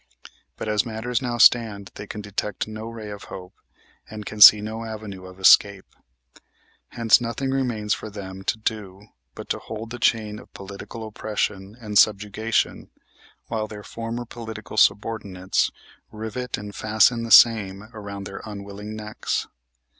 But as matters now stand they can detect no ray of hope, and can see no avenue of escape. Hence nothing remains for them to do but to hold the chain of political oppression and subjugation, while their former political subordinates rivet and fasten the same around their unwilling necks.